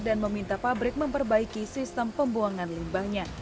dan meminta pabrik memperbaiki sistem pembuangan limbahnya